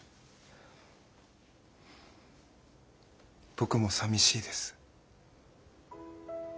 僕もさみしいです。